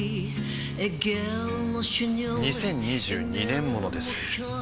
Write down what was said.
２０２２年モノです